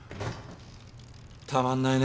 たまんないね